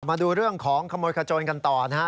มาดูเรื่องของขโมยขจนกันต่อนะฮะ